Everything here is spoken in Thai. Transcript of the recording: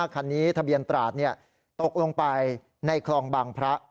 คันนี้ทะเบียนตราดตกลงไปในคลองบางพระ